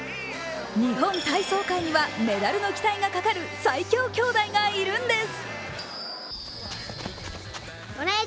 日本体操界にはメダルの期待がかかる最強兄弟がいるんです。